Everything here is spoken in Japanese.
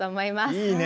いいね！